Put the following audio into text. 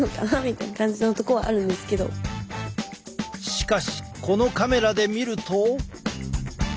しかしこのカメラで見ると。